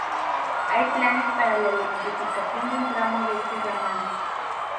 Hay planes para la electrificación de un tramo de este ramal.